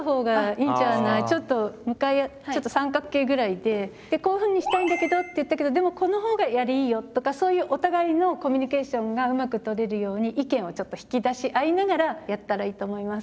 で「こういうふうにしたいんだけど」って言ったけどでもこの方がよりいいよとかそういうお互いのコミュニケーションがうまく取れるように意見をちょっと引き出し合いながらやったらいいと思います。